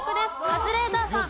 カズレーザーさん。